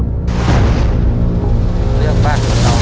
ต้นไม้ประจำจังหวัดระยองการครับ